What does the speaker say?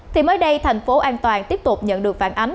thì mới đây thành phố an toàn tiếp tục nhận được phản ánh